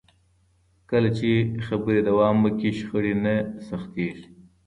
کله چې خبرې دوام وکړي، شخړې نه سختېږي.